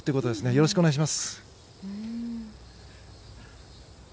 よろしくお願いします。